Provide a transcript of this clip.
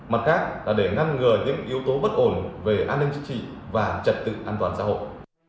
mặt khác là để ngăn ngừa những yếu tố bất ổn về an ninh chính trị và trật tự an toàn xã hội